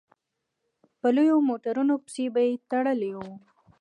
په لویو موټرانو پسې به يې تړلي وو.